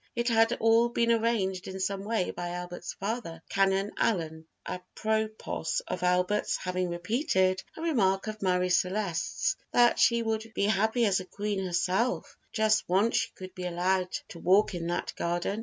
It had all been managed in some way by Albert's father, Canon Allyn, apropos of Albert's having repeated a remark of Marie Celeste's, "that she should be happy as a queen herself if just once she could be allowed to walk in that garden."